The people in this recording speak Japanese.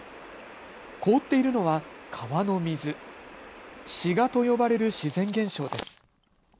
凍っているのは川の水、シガと呼ばれる自然現象です。